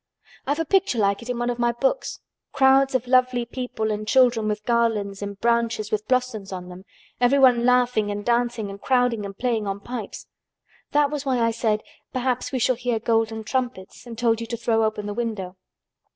I've a picture like it in one of my books—crowds of lovely people and children with garlands and branches with blossoms on them, everyone laughing and dancing and crowding and playing on pipes. That was why I said, 'Perhaps we shall hear golden trumpets' and told you to throw open the window."